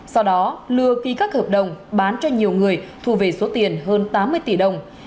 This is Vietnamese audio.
sau đó lừa ký các hợp đồng bán cho nhiều người thu về số tiền hơn tám mươi tỷ đồng